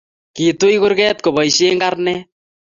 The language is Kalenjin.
kituy kurget kobaishe karnet